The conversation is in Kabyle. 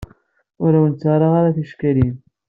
Ur awent-ttarraɣ ticekkalin.